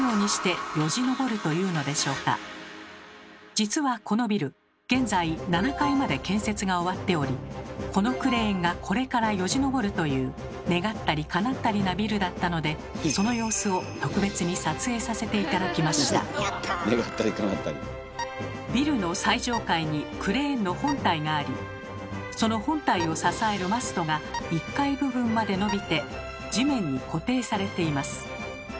ここから実はこのビル現在７階まで建設が終わっておりこのクレーンがこれからよじ登るという願ったりかなったりなビルだったのでその様子をビルの最上階にクレーンの本体がありその本体を支えるマストが１階部分まで伸びて地面に固定されています。